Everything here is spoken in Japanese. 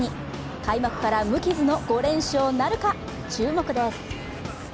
開幕から無傷の５連勝なるか、注目です。